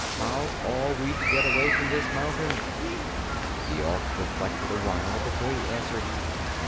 How are we to get away from this mountain?" The Ork reflected a while before he answered.